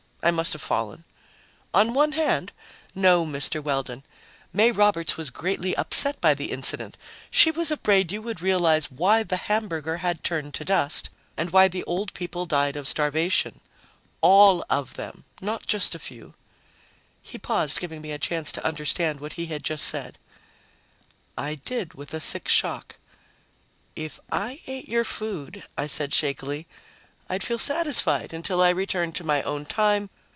I must have fallen." "On one hand? No, Mr. Weldon. May Roberts was greatly upset by the incident; she was afraid you would realize why the hamburger had turned to dust and why the old people died of starvation. All of them, not just a few." He paused, giving me a chance to understand what he had just said. I did, with a sick shock. "If I ate your food," I said shakily, "I'd feel satisfied until I was returned to my own time.